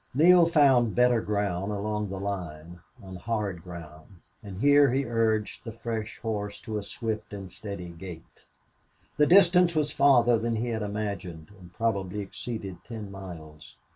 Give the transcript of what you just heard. Neale found better ground along the line, on hard ground, and here he urged the fresh horse to a swift and steady gait. The distance was farther than he had imagined, and probably exceeded ten miles.